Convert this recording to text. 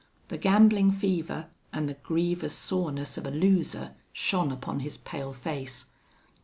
The gambling fever and the grievous soreness of a loser shone upon his pale face.